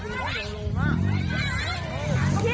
พี่แต่พอ